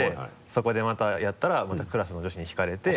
そこでまたやったらまたクラスの女子に引かれて。